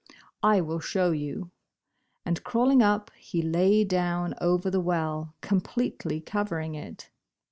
'* I will show you," and crawling up, he lay down over the well, completely covering it.